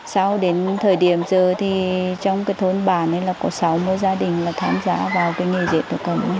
sau đến thời điểm giờ thì trong cái thôn bản ấy là có sáu mươi gia đình là tham gia vào cái nghề dệt thổ cầm